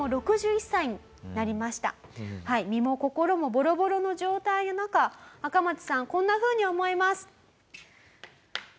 身も心もボロボロの状態の中アカマツさんこんなふうに思います。